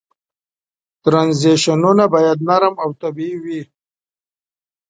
ترنزیشنونه باید نرم او طبیعي وي.